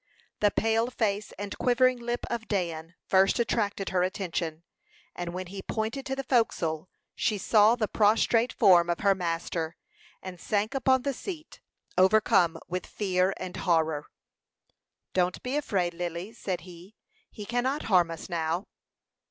The pale face and quivering lip of Dan first attracted her attention; and when he pointed to the forecastle, she saw the prostrate form of her master, and sank upon the seat, overcome with fear and horror. "Don't be afraid, Lily," said he. "He cannot harm us now."